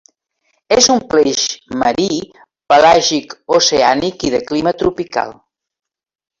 És un peix marí, pelàgic-oceànic i de clima tropical.